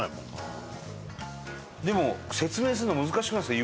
伊達：でも、説明するの難しくないですか？